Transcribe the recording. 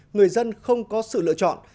người dân không có sự lựa chọn